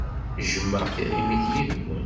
Jjmeɣ tiɣimit yid-wen.